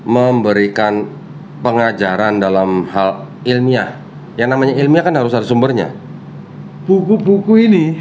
memberikan pengajaran dalam hal ilmiah yang namanya ilmiah kan harus ada sumbernya buku buku ini